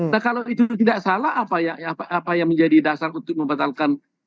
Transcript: nah kalau itu tidak salah apa yang menjadi dasar untuk membatalkan